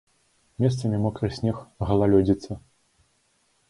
Месцамі мокры снег, галалёдзіца.